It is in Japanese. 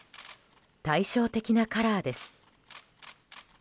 対照的なカラーです。